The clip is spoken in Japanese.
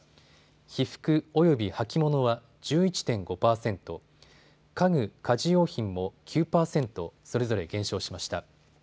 被服および履物は１１．５％、家具・家事用品も９％、それぞれ減少しました。